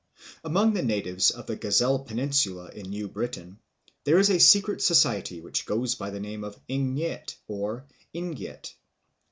Among the natives of the Gazelle Peninsula in New Britain there is a secret society which goes by the name of Ingniet or Ingiet.